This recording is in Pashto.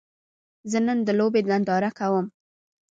زه نن د لوبې ننداره کوم